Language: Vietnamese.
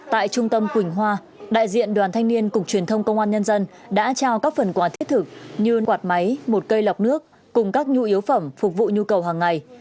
tại trung tâm quỳnh hoa đại diện đoàn thanh niên cục truyền thông công an nhân dân đã trao các phần quà thiết thực như quạt máy một cây lọc nước cùng các nhu yếu phẩm phục vụ nhu cầu hàng ngày